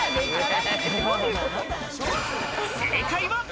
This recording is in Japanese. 正解は。